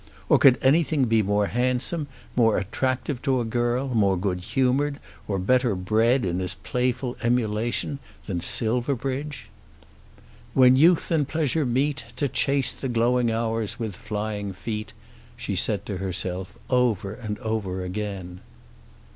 Or could anything be more handsome, more attractive to a girl, more good humoured, or better bred in his playful emulation than Silverbridge? "When youth and pleasure meet, To chase the glowing hours with flying feet!" she said to herself over and over again.